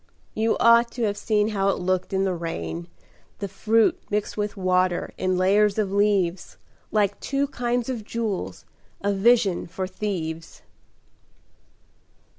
You ought to have seen how it looked in the rain, The fruit mixed with water in layers of leaves, Like two kinds of jewels, a vision for thieves."